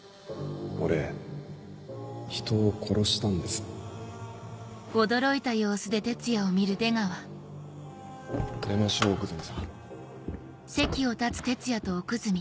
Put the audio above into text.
俺人を殺したんです出ましょう奥泉さん。